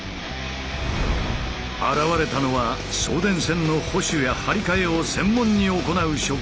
現れたのは送電線の保守や張り替えを専門に行う職人。